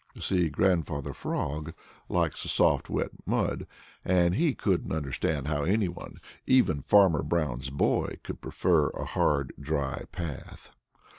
You see, Grandfather Frog likes the soft wet mud, and he couldn't understand how any one, even Farmer Brown's boy, could prefer a hard dry path.